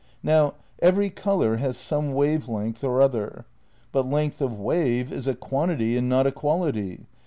Now every colour has some wave length or other. ... But length of wave is a quantity and not a quality